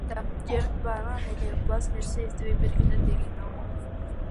Жердин баарынан эле ыплас нерсе издей бербегиле, — деген ал.